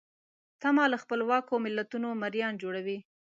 تمه له خپلواکو ملتونو مریان جوړوي.